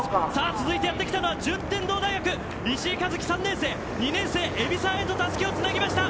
続いて順天堂大学石井一希、３年生が２年生、海老澤へとたすきをつなぎました。